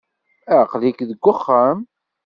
Aql-ik deg wexxam?